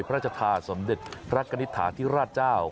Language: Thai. พระชาธาสำเด็จพระกณิตท้าทริราธเจ้า